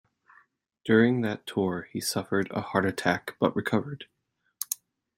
During that tour he suffered a heart attack but recovered.